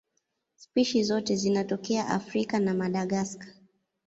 Spishi zote zinatokea Afrika na Madagaska.